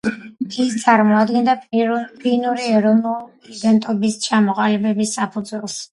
ის წარმოადგენდა ფინური ეროვნული იდენტობის ჩამოყალიბების საფუძველს.